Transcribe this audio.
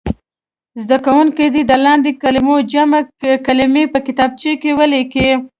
زده کوونکي دې د لاندې کلمو جمع کلمې په کتابچو کې ولیکي.